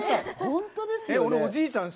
ホントですよね！